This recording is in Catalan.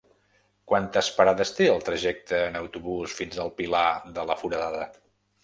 Quantes parades té el trajecte en autobús fins al Pilar de la Foradada?